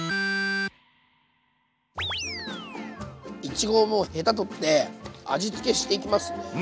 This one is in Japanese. いちごはもうヘタ取って味付けしていきますね。